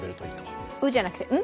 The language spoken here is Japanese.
「う」じゃなくて「ん」？